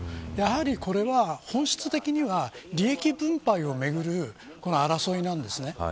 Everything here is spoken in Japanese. やはりこれは、本質的には利益分配をめぐる争いなんですね。